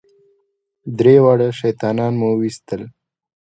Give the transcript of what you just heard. درې واړه شیطانان مو وويشتل.